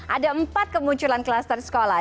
ada empat kemunculan kluster sekolah